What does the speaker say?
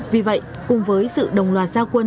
vì vậy cùng với sự đồng loạt gia quân